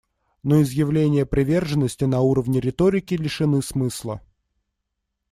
Но изъявления приверженности на уровне риторики лишены смысла.